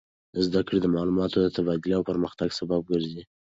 زده کړه د معلوماتو د تبادلې او پرمختګ سبب ګرځي.